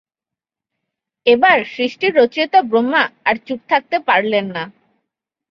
এবার সৃষ্টির রচয়িতা ব্রহ্মা আর চুপ থাকতে পারলেন না।